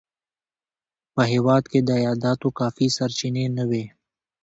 په هېواد کې د عایداتو کافي سرچینې نه وې.